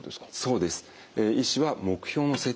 そうです。